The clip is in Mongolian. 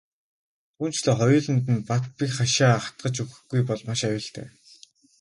Түүнчлэн хоёуланд нь бат бэх хашаа хатгаж өгөхгүй бол маш аюултай.